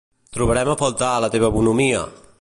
Trobarem a faltar la teva bonhomia!